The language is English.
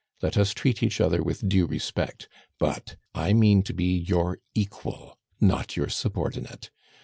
Let us treat each other with due respect; but I mean to be your equal, not your subordinate.